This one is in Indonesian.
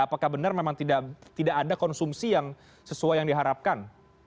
apakah benar memang tidak ada konsumsi yang sesuai yang diharapkan